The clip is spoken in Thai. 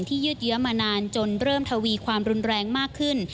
ยืดเยื้อมานานจนเริ่มทวีความรุนแรงมากขึ้น